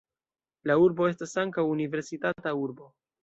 La urbo estas ankaŭ universitata urbo.